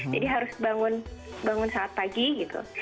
jadi harus bangun saat pagi gitu